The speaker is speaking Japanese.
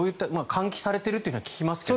換気されているとは聞きますが。